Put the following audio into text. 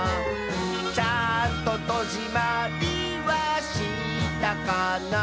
「ちゃんととじまりはしたかな」